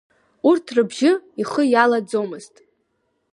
Урҭ рыбжьы ихы иалаӡомызт.